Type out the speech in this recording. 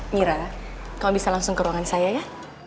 mira kau bisa langsung ke ruangan saya ya